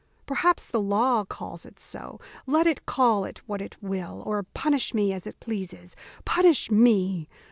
perhaps the law calls it so. Let it call it what it will, or punish me as it pleases. Punish me!